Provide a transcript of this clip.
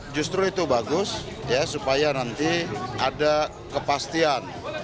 justru itu bagus ya supaya nanti ada kepastian